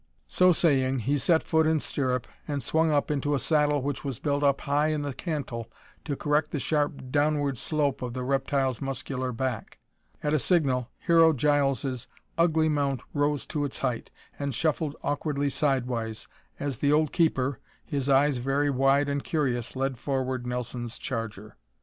So saying, he set foot in stirrup and swung up into a saddle which was built up high in the cantle to correct the sharp downward slope of the reptile's muscular back. At a signal, Hero Giles' ugly mount rose to its height and shuffled awkwardly sidewise, as the old keeper, his eyes very wide and curious, led forward Nelson's charger.